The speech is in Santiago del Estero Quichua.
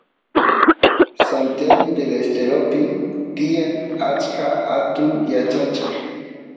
Santiagu Del Esteropi tiyan achka atun yachacheq